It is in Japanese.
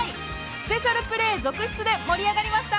スペシャルプレー続出で盛り上がりました。